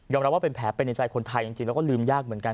รับว่าเป็นแผลเป็นในใจคนไทยจริงแล้วก็ลืมยากเหมือนกัน